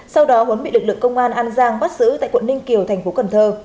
sau đó huấn bị lực lượng công an an giang bắt giữ tại quận ninh kiều thành phố cần thơ